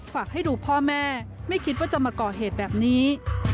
ฝากให้ดูพ่อแม่ไม่คิดว่าจะมาก่อเหตุแบบนี้